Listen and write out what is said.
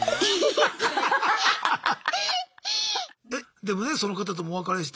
でもねその方ともお別れして。